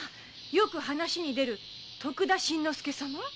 よく話に出る徳田新之助様？